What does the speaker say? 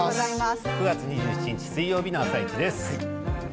９月２７日水曜日の「あさイチ」です。